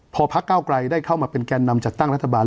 พอพักเก้าไกลได้เข้ามาเป็นแก่นำจัดตั้งรัฐบาล